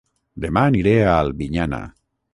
Dema aniré a Albinyana